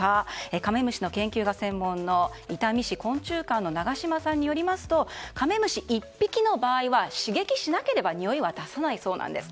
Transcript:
カメムシの研究が専門の伊丹市昆虫館の長島さんによりますとカメムシ１匹の場合は刺激しなければにおいは出さないそうです。